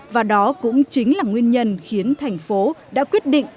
và đó cũng chính là nguyên nhân khiến thành phố đã quyết định